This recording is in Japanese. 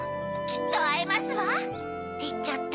きっとあえますわ。